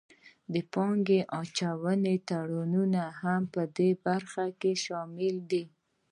د پانګې اچونې تړونونه هم پدې برخه کې شامل دي